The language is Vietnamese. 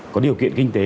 có điều kiện kinh tế